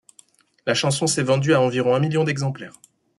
La chanson s'est vendue à environ un million d'exemplaires.